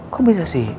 kok bisa sih